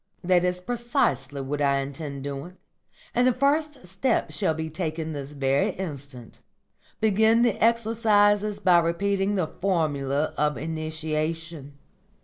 "That is precisely what I intend doing, and the first step shall be taken this very instant. Begin the exercises by repeating the Formula of Initiation.